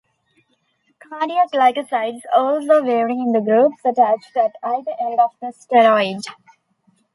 Cardiac glycosides also vary in the groups attached at either end of the steroid.